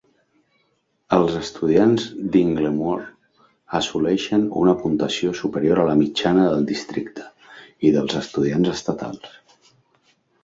Els estudiants d'Inglemoor assoleixen una puntuació superior a la mitjana del districte i dels estudiants estatals.